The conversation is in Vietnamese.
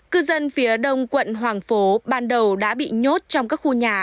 cư dân phía đông quận hoàng phố ban đầu đã bị nhốt trong các khu nhà